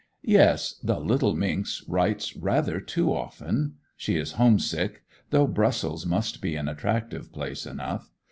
'Yes. The little minx writes rather too often. She is homesick—though Brussels must be an attractive place enough.